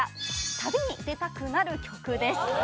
「旅に出たくなる曲」です。